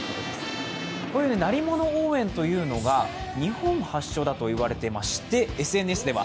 鳴り物応援というのが日本発祥だと言われていまして、ＳＮＳでは